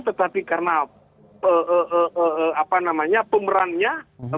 tetapi karena pemerannya